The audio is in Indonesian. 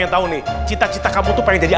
kalau cita cita saya ustadz pengen jadi